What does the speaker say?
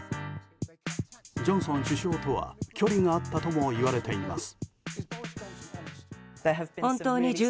ジョンソン首相とは距離があったともいわれています。